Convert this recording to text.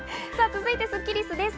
続いてスッキりすです。